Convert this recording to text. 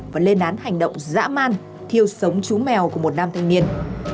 và lên án hành động dã man thiêu sống chú mèo của một nam thanh niên